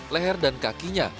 leher dan kakinya